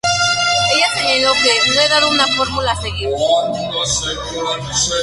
Ella señaló que ""no he dado una fórmula a seguir.